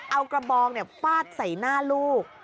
เอากระบองฟาดใส่หน้าลูก